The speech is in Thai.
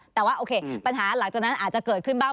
แต่ว่าโอเคปัญหาหลังจากนั้นอาจจะเกิดขึ้นบ้าง